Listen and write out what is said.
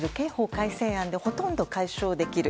改正案でほとんど解消できる。